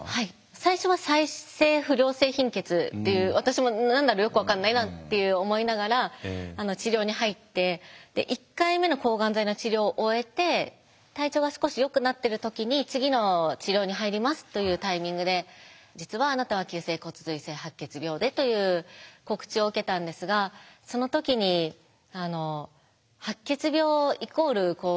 最初は再生不良性貧血っていう私も何だかよく分かんないなって思いながら治療に入って１回目の抗がん剤の治療を終えて体調が少しよくなってる時に次の治療に入りますというタイミングで「実はあなたは急性骨髄性白血病で」という告知を受けたんですがその時に白血病イコール治らない病気といいますか。